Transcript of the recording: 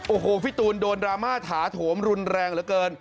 โอ้โหพี่ตูนโดนดราม่าถาโถมรุนแรงเหลือเกิน